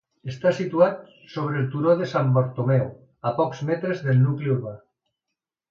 Està situat sobre el turó de Sant Bartomeu, a pocs metres del nucli urbà.